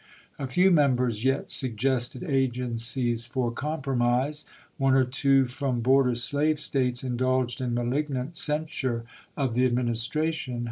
A few Members yet suggested agencies for compromise; one or two from border slave States indulged in malignant censure of the Administration.